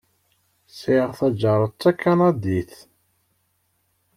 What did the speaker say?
Sεiɣ taǧaret d takanadit.